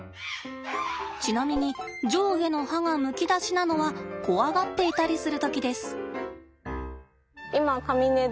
ちなみに上下の歯がむき出しなのは怖がっていたりする時です。